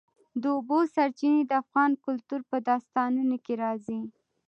د اوبو سرچینې د افغان کلتور په داستانونو کې راځي.